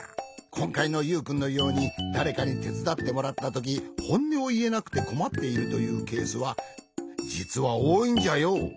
こんかいのユウくんのようにだれかにてつだってもらったときほんねをいえなくてこまっているというケースはじつはおおいんじゃよ。